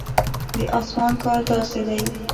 د اسمان کار داسې دی.